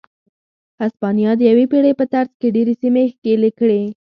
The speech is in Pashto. هسپانیا د یوې پېړۍ په ترڅ کې ډېرې سیمې ښکېلې کړې.